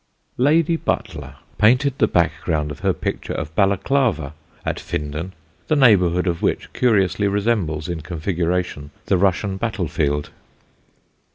Lady Butler painted the background of her picture of Balaclava at Findon, the neighbourhood of which curiously resembles in configuration the Russian battlefield.